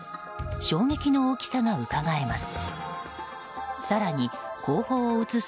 衝撃の大きさがうかがえます。